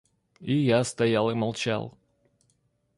И я стоял и молчал.